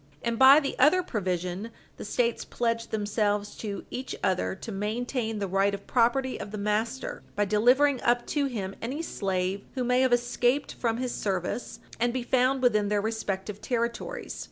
And by the other provision the States pledge themselves to each other to maintain the right of property of the master by delivering up to him any slave who may have escaped from his service, and be found within their respective territories.